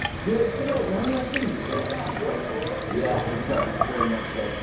それは、やりやすいんですか？